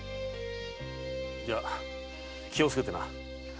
じゃ気をつけてな。